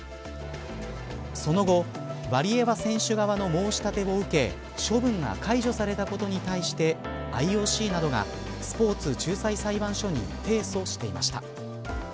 その後、ワリエワ選手側の申し立てを受け処分が解除されたことに対してＩＯＣなどがスポーツ仲裁裁判所に提訴していました。